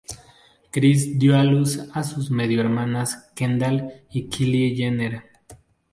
Kris dio a luz a sus medio-hermanas, Kendall y Kylie Jenner.